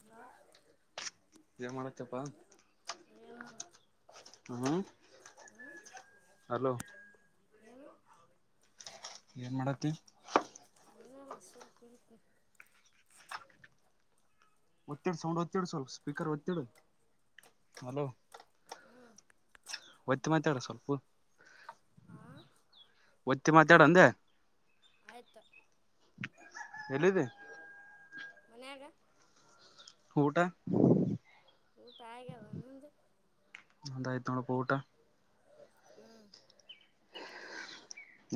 Hello [unintelligible] ಹ್ಹಾ ಹ್ಞೂ ಏನು [inaudible] ಮನ ನಸಲ್ಪರಿತ ಒತ್ತಿಡು ಸೌಂಡ್ ಒತ್ತಿಡು ಸ್ವಲ್ಪ ಸ್ಪೀಕರ್ ಒತ್ತಿಡು ಅಲೋ ಹ್ಞೂ ಒತ್ತ ಮಾತಾಡ ಸ್ವಲ್ಪ ಹಾಂ ಒತ್ತಿ ಮಾತಾಡ ಅಂದೆ ಆಯ್ತು ಎಲ್ಲಿದೆ ಮನೆಯಲ್ಲ ಊಟ ಹ ಪಾಯಗದಂದು ಎಂತ ಊಟ ಹ್ಮ್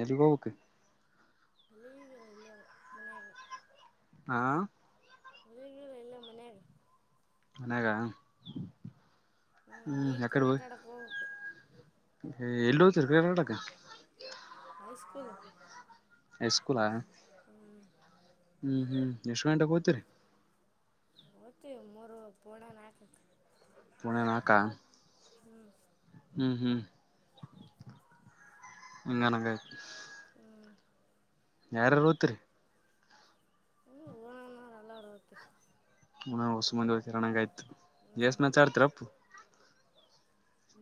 ನಲ್ಲಿಗೋಬಕ್ಕೆ ಇಲ್ಲಿಗ ಇಲ್ಲೇ ಮನೆಯಾಗ ಹಾ ಹುಲಿಗ ಎಲ್ಲ ಮನಾಗ ಅನೇಕ ಹ್ಞೂ ಹ್ಮ್ ಈಗ ಯಕಡೆ ಕ್ರಿಕೆಟ್ ಆಡಕ್ಕೆ ಹೋಗ್ಬೇಕು ಹಯ ಎಲ್ಲಿ ಹತರ್ಟಕ ಹೈ ಸ್ಕೂಲ್ ಸ್ಕೂಲ ಹ್ಮ್ ಹ್ಮ್ ಎಷ್ಟು ಗಂಟೆಗೆ ಹೋಗ್ತೀರಿ ಓತ್ತಿ ಮೂರು ಪೋಣ ನಾಕ ಪನೆ ನಕ ಹ್ಞೂ ಹ್ಮ್ ಹ್ಮ್ ಎಂಗನಂಗು ಹ್ಮ್ ಯಾರಾರು ಓತ್ರಿ ಹ್ಞೂ ಓಣನವ್ರು ಎಲ್ಲರೂ ಓದ್ತೀವಿ ಹ ಹೊಸುಂದಿ ಹರಣಂಗ ಆಾಯ್ತು ಹ್ಞೂ ಗಸ್ ನ ಚಾರತರಪ್ಪು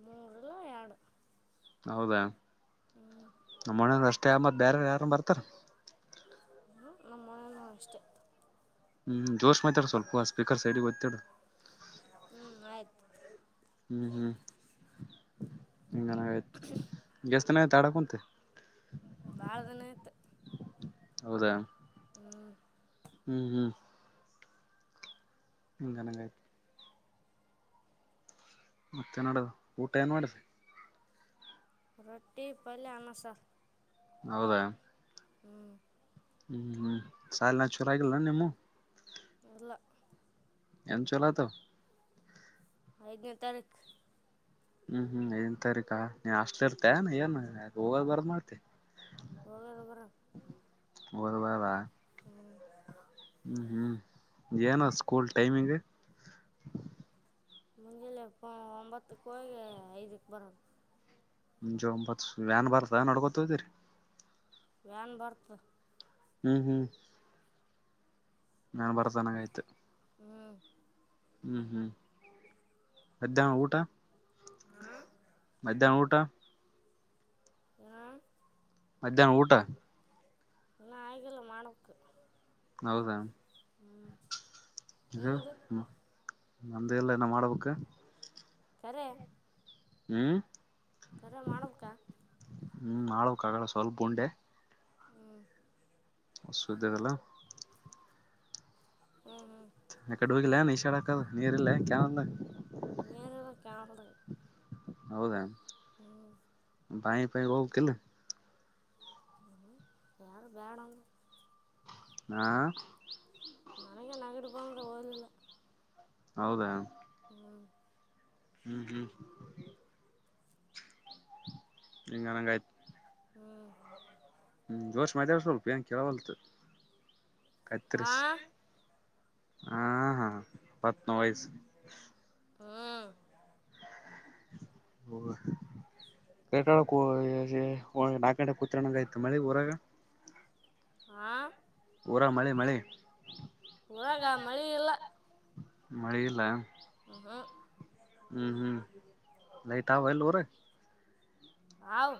ಮೂರುಲ್ಲ ಆಾನು ಹೌದಾ ನಮ್ಮನೆದ್ ಅಷ್ ಟೆ ಮತ್ ಬೇರೆರ್ ಯಾರು ಬರ್ತಾರ. ಹು ನಮ್ಮ ಮನೇನು ಅಷ್ಟೇ. ಹ್ಮ್ ಜೋಶ್ ಮಾತಾಡ್ ಸ್ವಲ್ಪ ಸ್ಪೀಕರ್ ಸೈಡ್ಗ್ ಒತ್ತಿಡು. ಹ್ಮ್ ಆಯ್ತು ಹ್ಮ್ ಹ್ಮ್ [unintelligible] ಚತನ ತಡಕಂತೆ ಬಾಲ್ಧಿನಾಯ್ತು ಹೌದಾ ಹ್ಮ್ ಹ್ಮ್ ಹು ಗಾನಾಗಾಯಿತು ಮತ್ತೆ ನೋಡದು ಊಟ ಏನ್ ಮಾಡುದು ರೊಟ್ಟಿ ಪಲ್ಯ ಅನ್ನ ಸಾರು ಹೌದಾ ಹ್ಮ್ ಹ್ಮ್ ಹ್ಮ್ ಶಾಲಾ ಇನ್ನು ಚಾಲು ಅಗಿಲೆನಿ ನಿಮ್ಮವು ಇಲ್ಲ ಎನ್ ಚಲೋತವ ಐದನೇ ತಾರೀಕು ಹ್ಮ್ ಹ್ಮ್ ಐದನೆ ತಾರಿಕಾ ಎನ್ ಆಷ್ಟಲಿ ಇರ್ತೇ ಏನ್ ಹೋಗದ ಬರದ್ ಮಾಡ್ತ ಹೋಗದು ಬರದು ಹೋಗದು ಬರದ ಹ್ಮ್ ಹ್ಮ್ ಏನು ಸ್ಕೂಲ್ ಟೈಮಿಂಗ್ ಮುಂಜಾಲೆಪ್ಪ ಒಂಬತ್ತಕ್ಕ ಹೋಗಿ ಐದಕ್ ಬರದು ಮುಂಜು ಒಂಬತ್ತು ವ್ಯಾನ್ ಬರ್ತ ನಡ್ಕೊತ ಹದಿರಿ ವ್ಯಾನ್ ಭರ್ತ್ ಹ್ಮ್ ಹ್ಮ್ ನಾನ್ ಬರ್ತನಂಗ್ ಆಯ್ತು ಹ್ಞೂ ಹ್ಮ್ ಹ್ಮ್ ಮಧ್ಯಾಹ್ನ ಊಟ ಮಧ್ಯಾಹ್ನ ಊಟ. ಆ ಮಧ್ಯಾಹ್ನ ಊಟ ಇನ್ನ ಆಗಿಲ್ಲ ಮಾಡಕ್ಕು ಹೌದಾ ಇದು ನಿಂದು ಹು ನಮ್ದು ಇಲ್ಲ ಇನ್ನ ಮಾಡ್ಬೇಕ. ಕರೆ ಹ್ಮ್ ಕರೆ ಮಾಡ್ಬೇಕ. ಹ್ಮ್ ಮಾಡ್ಬೇಕ್ ಆಗಳೆ ಸ್ವಲ್ಪ ಉಂಡೆ. ಹ್ಮ ಅದ್ ಸುದ್ದಿ ಆಗಲ್ಲ. ಹ್ಮ ಹ್ಮ್ ಅ ಕಡಿ ಹೋಗಿಲ್ಲೆನ್ ಇಶಾಡಕದ್ ನೀರಿಲ್ಲೆನ್ ಕ್ಯಾವನ್ದಾಗ್ ನೀರ್ [unintelligible] ಹೌದಾ ಹ್ಮ್ ಬಾಯ್ ಪಾಯ್ ಹೋಗ್ ತಿನ್ನು. ಹ್ಮ್್ಮ ಯಾರು ಬೇಡ ಹ ಮನಗೆ ನಗಡುಪಂಗದ ಓದಲಿಲ್ಲ ಹೌದಾ ಹ್ಮ್ ಹ್ಮ್ ಈಂಗನಂಗಾಯ್ತು ಹ್ಞೂ ಹ್ಮ್ ಜೋಶ್ ಮಾತಾಡತೋ ಏನ್ ಕೇಳೋಲ್ತು ಕತ್ರಿಸಿ ಹಾಂ [inaudible] ಹಾ ಹ ಕೆ ನಾಲ್ಡೆ ಕತ್ಣಂಗ ಆಯ್ತು ಮಳಿ ಊರಾಗ ಹಾಂ ವರ ಮಳೆ ಮಳೆ ಊರಾಗ ಮಳೆ ಇಲ್ಲ ಮಳಿ ಇಲ್ಲ [inaudible] ಹ್ಮ್ ಹ್ಮ್ ಲೈತಾವ ಎಲ್ಲೋರೆ ಹಾವ್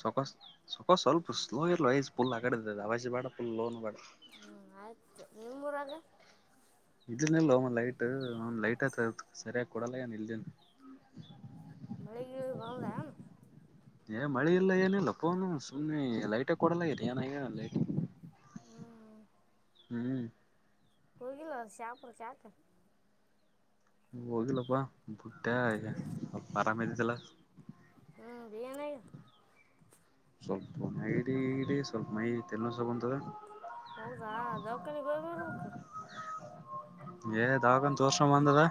ಚೊಕಸ್ ಸೊೋ ಸ್ವಲ್ಪ ಸ್ಲೋ ಇೋಪುಲ್ ಆಗಡ ಅವವಜ ಬೇಡ ಪುಲ್ ಲೋ ಬ. ಹ್ಮ್ ಆಯ್ತು ನಿಮ್ಮ ಮೂರಾಗ ಇಲ್ನಲ್ ಒಮ್ಮ ಲೈಟ್ ಒ ಲೈಟ್ ಆತ ಸರಿಯಾಗಿ ಕೊಡಲ್ಲ ಏನ್ ಇಲ್ದನ್ ಮಳೆ ಗಿಳೆ ಬಂತಾನ್ ಏ ಮಳಿ ಇಲ್ಲ ಏನಿಲ್ಲಪ್ಪೋನು ಸುಮ್ನೆ ಲೈಟೇ ಕೊಡಲ ಇದ ಏನ ಲೈಟ್ ಹ್ಞೂ ಹ್ಮ್ ಕುಯಿಲೋ ಶಾಪುರ ಶನ ಹೋಗಿಲ್ಲಪ್ಪಾ ಬುಟ್ಟ ಈ ಸ್ವಲ್ಪ ಆರಾಮ ಇದಿದ್ದಲ್ಲ ಹ್ಮ್ ಏನಾಗ್ಯಾದ ಸ್ವಲ್ಪ ಇಡ ಇಡಿ ಸ್ವಲ್ಪ ಮೈ ತನ್ನುಸ ಹೌದಾ ದೌಖಾನಿ ಬರ್ಬೇಕು ಏದ ಆಗನ್ ದೋಷ ಬಂದದಾ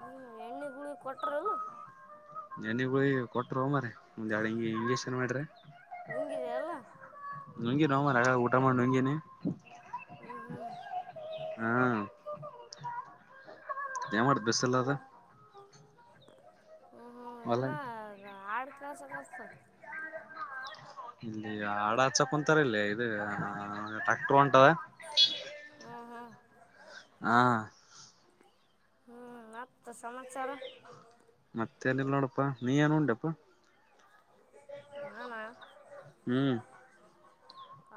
ಹ್ಮ್ ಎಣ್ಣೆ ಗುಳ ಕೊಟ್ರಲ್ಲ ಎಣ್ಣೆ ಗುಳಿಗೆ ಕೊಟ್ರು ಮಾರಾಯ [inaudible] ಒಂದ್ಯಾಳ ಹಿಂಗಗೆ ಹಂಗಗೆನ್ ಮಾಡ್ರಿ ನುಂಗಿದೆ ಅಲ್ಲ ನಂಗೇ ನ ಮರಗ ಊಟ ಮಾಡಿ ನಂಗೇನೆ ಹ್ಞೂ ಹ್ಞೂ ಹ್ಮ್ ಯಾಡ್ ಬೆಸ್ಸೇಲೋರೆ ಹ್ಮ. ಒಲ ಆಡ್ ಕಳ್ಸ ಕಷ್ಟ ಇಲ್ಲಿ ಈಗ ಹಡ ಹಚ್ಚ ಕುಂತಾರ ಇಲ್ಲಿ ಇದು ಟ್ಯಾಕ್ಟರ್ ಹೊಂಟದ ಹ್ಞೂ ಹ್ಞೂ ಹ ಹ್ಮ್ ಮತ್ತ ಸಮ ಮತ್ತೇನಿಲ್ಲ ನೋಡಪ್ಪಾ ನೀ ಏನ ಉಂಡೆಪ್ಪ ನಾನಾ ಹ್ಮ್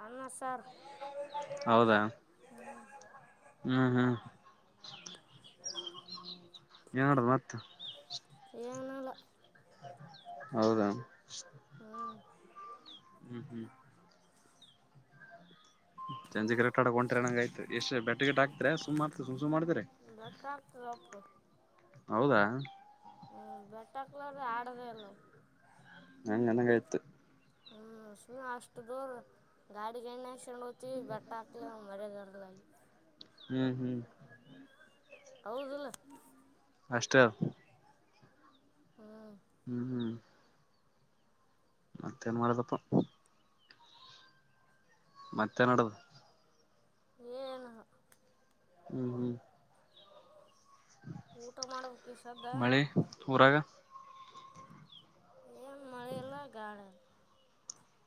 ಅನ್ನ ಸಾರು ಹೌದಾ ಹ್ಮ್ ಹ್ಮ್ ಎಡು ಮತ್ತ ಏನಿಲ್ಲ ಹೌದಾ ಹ್ಮ್ ಹ್ಮ್ ಹ್ಮ್ ಚಂಜಿ ಕ ರಟ್ ಆಡಕ ಹೊಂಟ್ರ ನಂಗ ಆ್ತು ಎಷ್ಟ ಬೆಟ್ಟೆ ಗಟ್ ಹಾಕ್ತ ಸುಮಾರ್ತು ಸು ಮಾಡ್ತೀರಿ ಬೆಟ್ಟ ಹಾಕ್ತದಪ್ಪ ಹೌದಾ ಹ್ಮ್ ಬೆಟ್ಟಕ್ಲಾರ್ರ ಆಡದಲ್ ಹಂಗ ನಂಗ ಆಯ್ತು ಹ್ಮ್ ಸುಮ್ಮಿ ಅಷ್ಟು ದೂರ ಗಾಡಿಗೆ ಎಣ್ಣೆ ಚಂಡ್ ಹ್ತಿವಿ ಬಟ್ಟ ಹಾಕ್ಲಿ ಮರದರ್ಲ ಹ್ಮ್ ಹ್ಮ್ ಹೌದಲ್ಲ ಅಷ್ಟ ಹ್ಮ ಹ್ಮ್ ಹ್ಮ್ ಮತ್ತೇಏನ್ ಮಾಡದಪ್ಪ ಮತ್ತೆ ನಡದು ಏನು. ಹ್ಮ್ ಹ್ಮ್ ಊಟ ಮಾಡಬೇಕ್ ಈ ಸದ್ದ ಮಳೆ ಏನು ಮಳೆ ಹ್ಮ ಇಲ್ಲ ಗಾಳಿ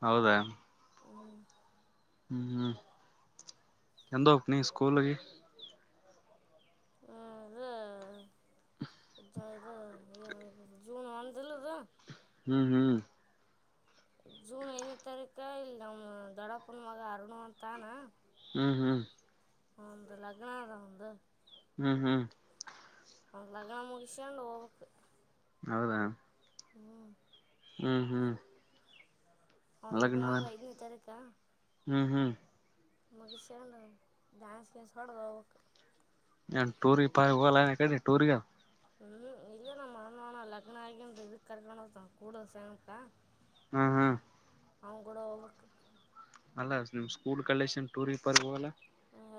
ಹೌದಾ ಹ್ಮ್. ಹ್ಮ ಹ್ಮ್ ಎಂದು ಹೋಗ್ಬೇಕು ನೀನು ಸ್ಕೂಲ್ಗೆ ಹೂ ಇದು ಜೂನ್ ಒಂದಿಲ್ಲಿದು ಹ್ಮ್ ಹ್ಮ್ ಜೂನ್ ಐನೇ ತಾರೀಕ ಇಲ್ ನಮ್ಮ್ ದೊಡಪ್ಪನ ಮಗ ಅರ್ಣ ಅಂತಾನ ಹ್ಮ್ ಹ್ಮ್ ಹಂದ ಲಾಗನದ ಹಂದು ಹ್ಮ್ ಹ್ಮ್ ಒವ್ಲ್ಯಾಗ ಮುನಿಷ್ಕನ್ಡ್ ಹೋಗ್ಬಕೂ ಹೌದಾ ಹ್ಮ ಹ್ಮ್ ಹ್ಮ್ ಅವ ಲಗ್ನ ಐದನೇ ತಾರೀಕ ಹ್ಮ್ ಹ್ಮ್ ಮುಗಿಸೆಂಡು ಡ್ಯಾನ್ಸ್ ಗಿನ್ಸ್ ಹೊಡೆದು ಹೋಗಬೇಕು ನನ್ ೂರಿ ಪ ಹೋಗಲ್ಲ ಕಡೆ ೂರಿಗೆ ಹ್ಮ್ ಇಲ್ಲೇ ನಮ್ಮ್ ಮಾಡೋಣ ಲಗ್ನ ಆಗಿಂದ ಇದಕ್ ಕರ್ಕೊಂಡ ಕೂಡ ಸಂತ ಹ್ಮ ಹ್ಮ್ ಅವಂಗೂಡ ಹೋಗ್ಬೇಕಾ ಅಲ್ಲ ನಿಮ್ ಸ್ಕೂಲ್ ಕಲ್ಲೇಶನ್ ಟೂರ್ ಇ ಪರ್ ಹೋಗಲ್ಲ.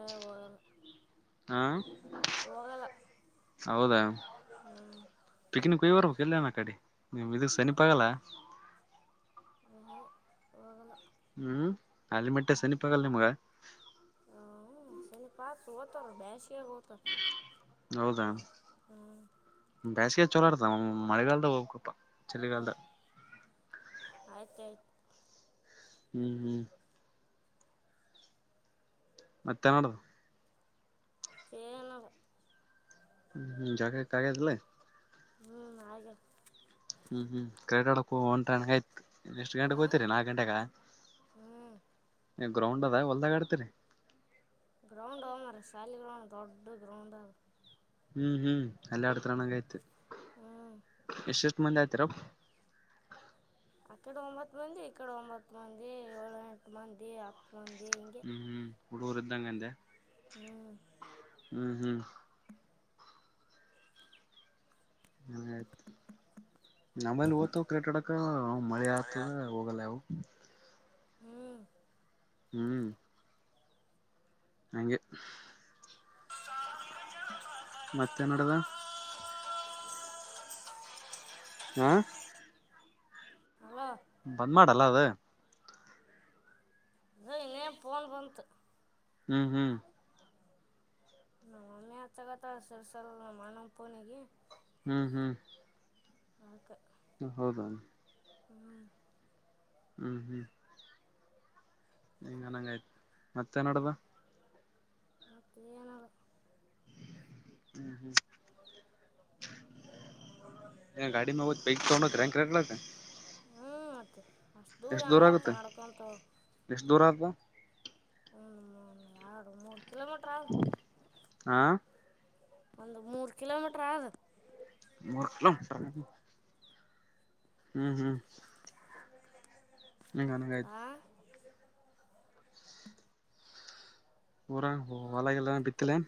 ಏ ಹೋಗಲ್ಲ ಹಾ ಹೋಗಲ್ಲ ಹೌದಾ. ಹ್ಞೂ ಪಿಕನಕ್ ವವರು [unintelligible] ಇಲ್ಲನ ಕಡೆ ನಿಮ್ ಇದಕ್ ಸನಿಪ ಆಗಲ್ಲ. ಉಹೂಂ, ಹೋಗಲ್ಲ. ಹ್ಮ್, ಅಲ್ಲಿ ಮಟ್ಟೆ ಸನಿ ಪಗಲ್ಲ ನಿಮಗ. ಅಯ್ಯಪ್ಪಾ ಸೋತರು ಬ್ಯಾಸಿಗೆ ಹೋತು ಹೌದಾ ಬ್ಯಾಸ್ಗೆ ಚಲೋ ಆಡ್ತನ ಅವ. ಮಳೆಗಾಲದ ಹೋಗ್ಬೇಕಪ್ಪ, ಚಳಿಗಾಲದ ಆಯ್ತ್ ಆಯ್ತ್ ಹ್ಮ್ ಹ್ಮ್ ಮತ್ ಯಾವ್ದು? ನ [unintelligible] ಹ್ಮ ಹ್ಮ್ ಜಾಗೈ ಕಾಯದಿಲ್ಲೆ? ಹ್ಮ್ ಹಾಗೆ ಹ್ಮ್ ಹ್ಮ್ ಕಡಕ ಹ ಒಂಟ ಆ್ತು. [unintelligible] ಎಷ್ಟು ಗಂಟೆಗ್ ಹಾಂ ಕೂತಿರಿ, ನಾಲ್ಕು ಗಂಟೆಗ? ಹ್ಞೂ [unintelligible] ಗ್ರೌಂಡ್ ಅದ ಹೊಲ್ದಾಗ ಆಡತಿರಿ? ಗ್ರೌಂಡ್ ಅವೆ ಮಾರ್ರೆ, ಸಾಲಿನಾಗ್ ದೊಡ್ಡ ಗ್ರೌಂಡ ಅವ. ಹ್ಮ್ ಹ್ಮ್, ಅಲ್ಲೇ ಆಡ್ತೀರನ್ನಂಗ್ ಆಯ್ತು. ಹ್ಞೂ ಎಷ್ಟ್ ಎಷ್ಟ್ ಮಂದಿ ಮತ್ತರ. [unintelligible] ಆಕಡೆ ಒಂಬತ್ ಮಂದಿ, ಈಕಡೆ ಒಂಬತ್ ಮಂದಿ, ಏಳೋ ಎಂಟ್ ಮಂದಿ ಆಗ್ತ್ ಮುಂದೆ ಹಿಂಗೆ ದೂರಿದ್ದಂಗ್ ಅಂದ್ಯ? ಹ್ಮ್ ಹ್ಮ್ ಹ್ಮ್ ಹ ಆಯ್ತು. ನಮ್ಮಲ್ಲಿ ಓಗ್ತವು ಕ್ರಿಕೆಡಕ ಮಳೆ ಆಯ್ತದೆ ಹೋಗಲ್ಲ ಯಾವು. ಹ್ಮ್ ಹ್ಮ್ ಹಂಗೆ ಸಾವಿರ ಜನುಮ ಮತ್ತೇನ್ ನಡದ? ಹ್ಞಾಂ ಹಲೋ ಅದು ಬಂದ್ ಮಾಡಲ್ಲ ಅವೆ. ಅಗ ಇನ್ನೇನ್ ಪೋನ್ ಬಂತು. ಹ್ಮ್ ಹ್ಮ್. ನಮ್ಮ ಮಮ್ಮಿ ಹತ್ರ ಕಥ [unintelligible] ಸರ್ ಸಲ್ [unintelligible] ನಮ್ ಅಣ್ಣನ್ ಫೋನಿಗೆ. ಹ್ಮ್ ಹ್ಮ್. ಹಾಕ ಹ್ಮ್ ಹೌದಾ [unintelligible] ಹ್ಮ್. ಹ್ಮ್ ಹ್ಮ್. ಹಿಂಗನ್ನಂಗಾಯ್ತು, ಮತ್ತೇನ್ ನಡ್ದ? ಮತ್ತ್ ಏನ [unintelligible] ಏನ ಗಾಡಿ ಹೋವತ್ ಬೈಕ್ [unintelligible] ಹ್ಮ್ ಆತ್ ಅಷ್ಟ್ ದೂರ ಎಷ್ಟ್ ಯಾವ ಹೋತಾನ್ ಆಗುತ್ತೆ ನಡ್ಕೊಂತ, ಹ್ಮ. ಎಷ್ಟ್ ದೂರ ಆದ [unintelligible] ಕಿಲೋಮೀಟ್ರ್ ಆಗ್ ಹಾ ಒಂದು ಮೂರ್ ಕಿಲೋಮೀಟರ್ ಆದ. [unintelligible] ಹ್ಮ್ ಹ್ಮ್. ಆ [unintelligible] ಆಯ್ತ ಊರಾಗ್ ಹೊ ಹೊಲಗಿಲ ಬಿತ್ತಲ್ಲೇನು?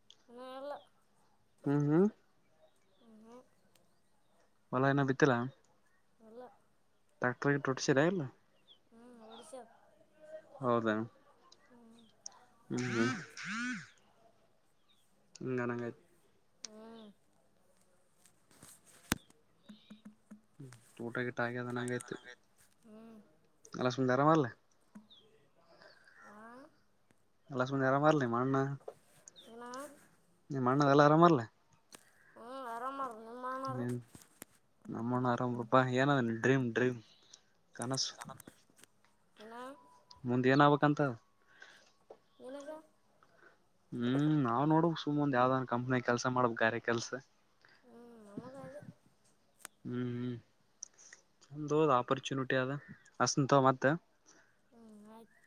[unintelligible] ಹ್ಮ್ ಹ್ಮ್. [inaudible] ಹೊಲ ಇನ್ನ ಬಿತ್ತಿಲ್ಲ ಅಲ್ಲ ಟ್ರಾಕ್ಕ್ಟರ್ ಇಟ್ ಹೊಡ್ಸಿಲ್ಲ ಏನು? ಹಾಂ ಹೊಡ್ಸ್ಯಾರ ಹೌದಾ? [inaudible] ಹ್ಮ್ ಹ್ಮ್ [unintelligible] ಹ್ಞೂ ಊಟ ಗೀಟ ಆಗ್ಯದೆ ಅನ್ನಂಗಾಯ್ತು ಹ್ಮ್. ಹಸುಯಿಂದ ಆರಾಮಲ್ಲ? ಆ [unintelligible] ಇನ್ನು ನಿಮ್ಮಣ್ಣ ಎಲ್ಲ ಆರಾಮಲ್ಲ? ಹ್ಞೂ ಆರಾಮವ್ರು ನಿಮ್ಮ ಅಣ್ಣವ್ರು ಏನ್ ನಮ್ಮಣ್ಣ ಆರಾಮ್ರಪ್ಪಾ ಏನದ ಡ್ರೀಮ್ ಡ್ರೀಮ್ ಕನಸು ಇಲ್ಲ. ಮುಂದ್ ಏನ್ ಆಬೇಕಂತ [unintelligible] ಸುಮ್ನ್ ಒಂದ್ ಯಾವ್ದಾದ್ ಕಂಪ್ನಿಲ್ ಕೆಲಸ ಮಾಡ್ಬೇಕು ಗಾರೆ ಕೆಲ್ಸ. ಹ್ಞೂ ನಮಗ ಅದೇ [unintelligible] ಹ್ಮ್ ಹ್ಮ್ ಚಂದ ಹೋದ ಆಪರ್ಚುನಿಟಿ ಅದ ಹಾಸನ್ ತವ ಮತ್ತೆ ಹ್ಮ್ ಆಯ್ತ್